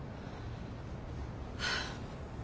はあ。